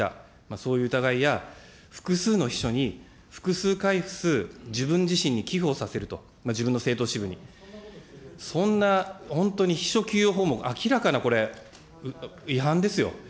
そういう疑いや、複数の秘書に複数回数、自分自身に寄付をさせると、自分の政党支部に、そんな本当に、秘書給与法も明らかな違反ですよ。